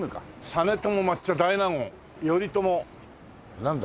「実朝抹茶大納言」「頼朝」なんだ？